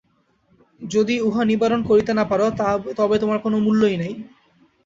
যদি উহা নিবারণ করিতে না পার, তবে তোমার কোনই মূল্য নাই।